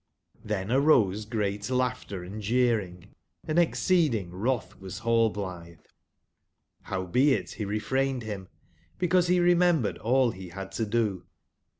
ITben arose great laugbter and jeering, & exceeding wrotb was Hallblitbe; bowbeit 44 be refrained bim, because be remembered all be bad to do.